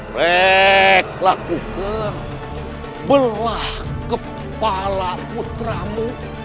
reklah kuker belah kepala putramu